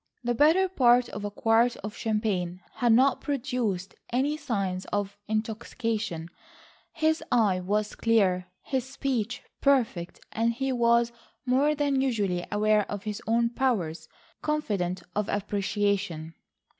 The better part of a quart of champagne had not produced any signs of intoxication; his eye was clear, his speech perfect, and he was more than usually aware of his own powers, confident of appreciation.